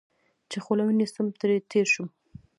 چې خوله ونیسم، ترې تېر شوم.